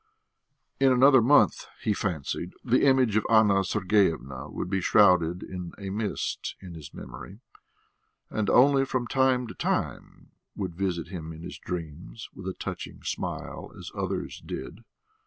In another month, he fancied, the image of Anna Sergeyevna would be shrouded in a mist in his memory, and only from time to time would visit him in his dreams with a touching smile as others did.